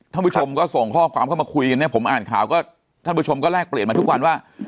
ท่านผู้ชมก็ส่งข้อความเข้ามาคุยกันเนี่ยผมอ่านข่าวก็ท่านผู้ชมก็แลกเปลี่ยนมาทุกวันว่า